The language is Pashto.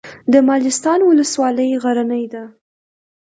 د مالستان ولسوالۍ غرنۍ ده